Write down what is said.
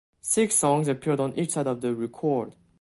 Six songs appeared on each side of the record.